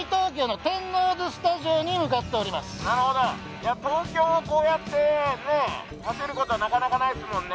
なるほど東京をこうやってね走ることはなかなかないですもんね。